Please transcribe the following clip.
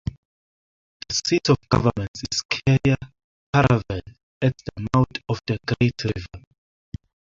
The seat of government is Cair Paravel, at the mouth of the Great River.